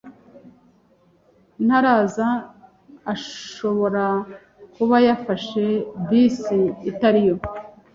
Ntaraza. Ashobora kuba yafashe bisi itari yo.